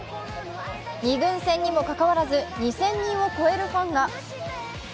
２軍戦にもかかわらず２０００人を超えるファンが。